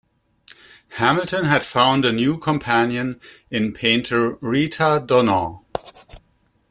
Hamilton had found a new companion in painter Rita Donagh.